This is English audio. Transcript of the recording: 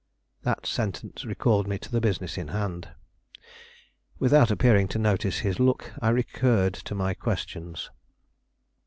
That sentence recalled me to the business in hand. Without appearing to notice his look, I recurred to my questions.